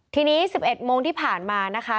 ทีนี้๑๑โมงที่ผ่านมานะคะ